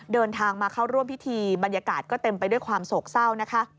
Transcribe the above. เดินทางมาเข้าร่วมพิธีบรรยากาศก็เต็มไปด้วยความโศกเศร้านะคะ